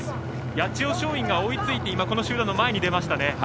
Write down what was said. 八千代松陰が追いついて集団の前に出ました。